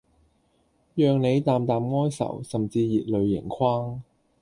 讓你淡淡哀愁、甚至熱淚盈眶